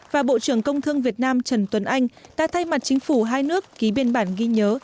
và bộ trưởng công thương việt nam trần tuấn anh đã thay mặt chính phủ hai nước ký biên bản ghi nhớ